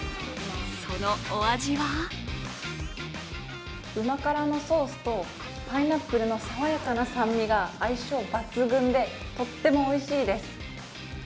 そのお味はうま辛のソースとパイナップルの爽やかな酸味が相性抜群でとってもおいしいです。